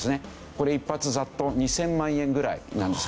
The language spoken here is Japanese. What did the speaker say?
これ１発ざっと２０００万円ぐらいなんですけど。